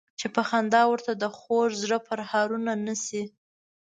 چې په خندا ورته د خوږ زړه پرهارونه نه شي.